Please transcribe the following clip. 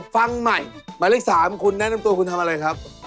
ฟังใหม่หมายเลข๓คุณแนะนำตัวคุณทำอะไรครับ